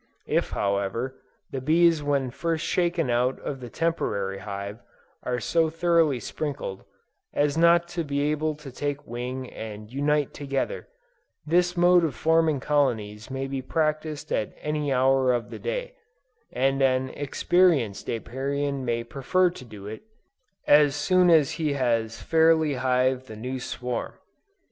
If however, the bees when first shaken out of the temporary hive, are so thoroughly sprinkled, as not to be able to take wing and unite together, this mode of forming colonies may be practiced at any hour of the day; and an experienced Apiarian may prefer to do it, as soon as he has fairly hived the new swarm.